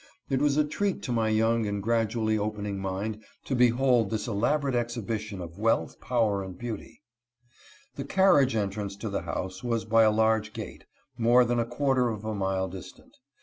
It was a treat to my young and gradually opening mind to Jbehold thi> ejaboraj.a ejdiibiti.on'of wealth, power and beauty. The carriage entrance to the house was by a large gate, more than a quarter of a mile distant.